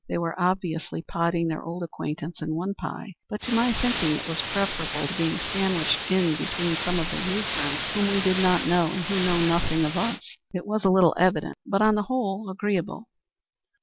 They were obviously potting their old acquaintance in one pie, but to my thinking it was preferable to being sandwiched in between some of their new friends whom we do not know and who know nothing of us. It was a little evident, but on the whole agreeable."